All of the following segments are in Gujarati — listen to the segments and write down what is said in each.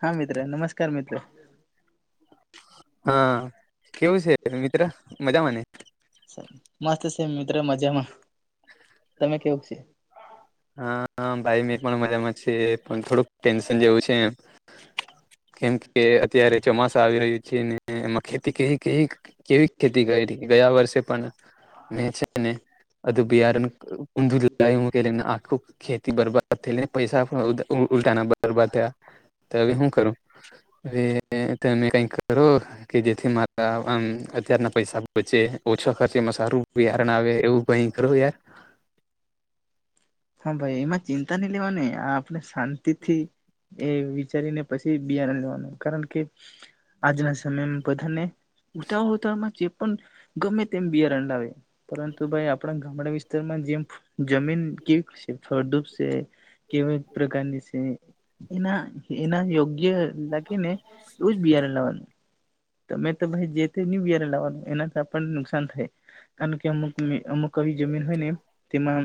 હા મિત્ર નમસ્કાર મિત્ર. હા કેવું છે મિત્ર મજામાંને? મસ્ત છેેમ મિત્ર મજામાં. તમે કેવું છે હા ભાઈ મે પણ મજામાં છે, પણ થોડુંક ટેન્શન જેવું છે, એમ કેમ કે અત્યારે ચોમાસું આવી રહ્યું છે ને એમાં ખેતી કેવીવી કેવી ખેતી કરી ગયા વર્ષે પણ મે છેને અ બિઆરન ગાય હું કેને આખ ખેતી બરબાદ થઈને પૈસા ઉલટા ના બરબાદ થયા, તો હવે શું કરું, હવે તમે કઈક કરો કે જેથી મારા આમ અત્યારના પૈસા બચે ઓછા ખર્ચેમાં સારું બિયારણ આવે એવું. કો કરો યાર. હા ભાઈ એમાં ચિંતા ન મને આપ પને શાંતિથી એ વિચારીને પછી બિયારન લેવાનું. કારણ કે આજના સમયમાં બધાને ઉતાળ ઉતળમાં જે પણ ગમે તેમ બિયારણ લાવે પરંતુ ભાઈ આપણા ગામડા વિસ્ત જેમાં જેમ જમીન કે શે શડુબ છે કેવી પ્રકાર ની છે? એના એના યોગ્ય લાગે ને એવું જ બિયારણ લાવાનું. તમે તો ભાઈ જે તે ન્યુ બિયારન લાવવાનું. એનાથી આપણને નુકસાન થાય. કારણ કે અમુક અમુક આવી જમીન હોય ને તેમાં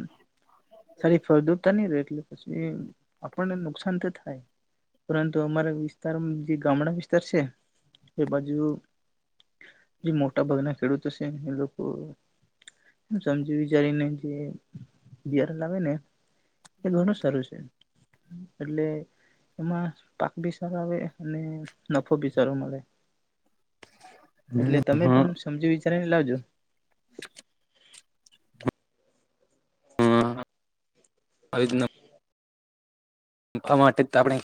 સારી ફળદુતા નહીં રે એટલે પછી આપણને નુકસાન તો થાય. પરંતુ અમારા વિસ્તાર જે ગામડા વિસ્તાર છે એ બાજુ જે મોટા ભાગના ખેડૂતો છે એ લોકો સમજી વિચારીને જે બિયારન લાવે ને એ ઘણું સારું છે. એટલે એમાં પાક ભી સારો આવે અને નફો બી સારો મળે. એટલે હ તમે પણ સમજી વિચારીને લાવજો. આવિતના નફા માટે તો આપણે ખેત